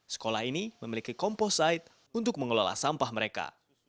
sekolah ini memiliki komposite untuk mengelola sampah mereka